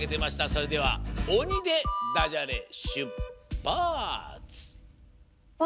それでは「オニ」でダジャレしゅっぱつ！